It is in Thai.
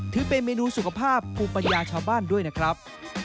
ถือเป็นเมนูสุขภาพภูมิปัญญาชาวบ้านด้วยนะครับ